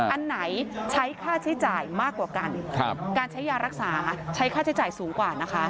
อันไหนใช้ค่าใช้จ่ายมากกว่ากันการใช้ยารักษาใช้ค่าใช้จ่ายสูงกว่านะคะ